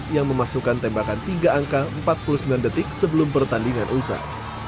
yang memasukkan tembakan tiga angka empat puluh sembilan detik sebelum pertandingan usai